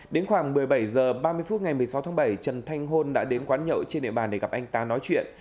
đến khoảng một mươi bảy h ba mươi phút ngày một mươi sáu tháng bảy trần thanh hôn đã đến quán nhậu trên địa bàn để gặp anh ta nói chuyện